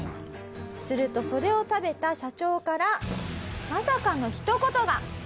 するとそれを食べた社長からまさかのひと言が！